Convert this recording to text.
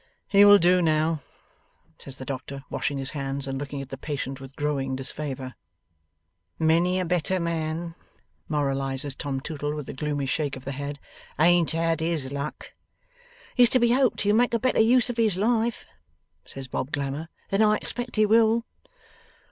'He will do now,' says the doctor, washing his hands, and looking at the patient with growing disfavour. 'Many a better man,' moralizes Tom Tootle with a gloomy shake of the head, 'ain't had his luck.' 'It's to be hoped he'll make a better use of his life,' says Bob Glamour, 'than I expect he will.